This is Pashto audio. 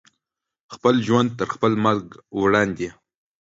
خپل ژوند تر خپل مرګ وړاندې